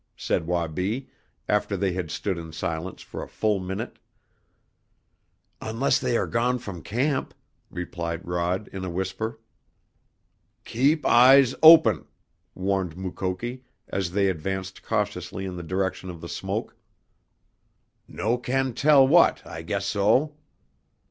said Wabi, after they had stood in silence for a full minute. "Unless they are gone from camp," replied Rod in a whisper. "Keep eyes open!" warned Mukoki as they advanced cautiously in the direction of the smoke. "No can tell what, I guess so!"